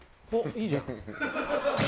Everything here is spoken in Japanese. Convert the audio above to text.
いいじゃん。